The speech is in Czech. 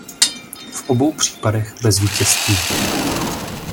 V obou případech bez vítězství.